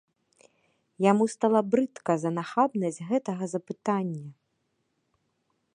Яму стала брыдка за нахабнасць гэтага запытання.